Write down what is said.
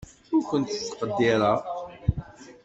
Ur kent-ttqeddireɣ.